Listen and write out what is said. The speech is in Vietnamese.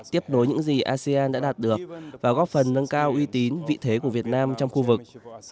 tiếp nối những gì asean đã đạt được và góp phần nâng cao uy tín vị thế của việt nam trong khu vực